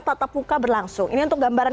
tatap muka berlangsung ini untuk gambaran